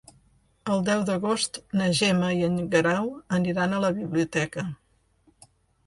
El deu d'agost na Gemma i en Guerau aniran a la biblioteca.